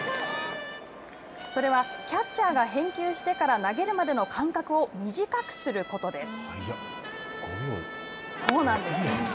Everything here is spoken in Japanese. それはキャッチャーが返球してから投げるまでの間隔を短くすることです。